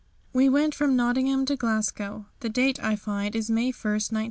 We went from Nottingham to Glasgow. The date, I find, is May 1, 1900.